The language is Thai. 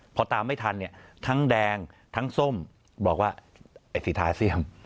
พอตามไม่ทันเนี่ยทั้งแดงทั้งส้มบอกว่าไอ้สีทาเซียม